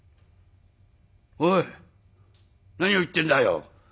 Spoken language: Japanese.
おい何を言ってんだよ？